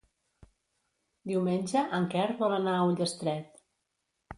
Diumenge en Quer vol anar a Ullastret.